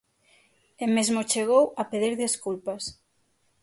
E mesmo chegou a pedir desculpas.